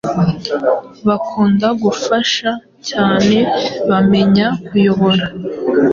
bakunda gufasha cyane, bamenya kuyobora